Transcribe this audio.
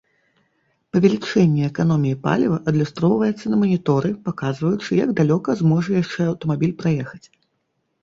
Павелічэнне эканоміі паліва адлюстроўваецца на маніторы, паказваючы, як далёка зможа яшчэ аўтамабіль праехаць.